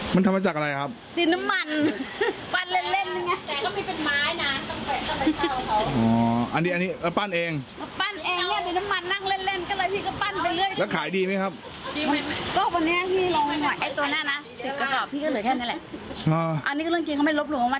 เขาเค้าเค้าเค้าคนมีร้านใช้นะไหมจิลน้ำมันน่ะ